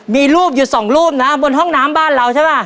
มีรูปอยู่สองรูปนะบนห้องน้ำบ้านเราใช่ป่ะ